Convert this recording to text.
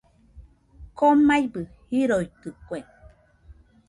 Komaibɨ riroitɨkue.